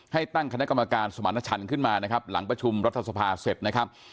ให้ตั้งคณะกรรมการสมรรถชันขึ้นมานะครับหลังประชุมรัฐสภาเสร็จนะครับ